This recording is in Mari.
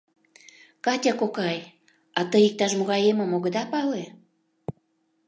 — Катя кокай, а тый иктаж-могай эмым огыда пале?